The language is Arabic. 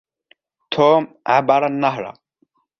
توم عبر النهر.